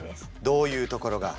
どういうところが？